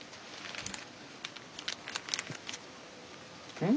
うん！